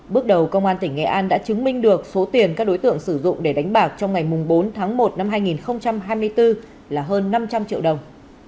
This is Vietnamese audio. bước đầu công an tỉnh nghệ an đã chứng minh được số tiền các đối tượng sử dụng để đánh bạc trong ngày bốn tháng một năm hai nghìn hai mươi bốn là hơn năm trăm linh triệu đồng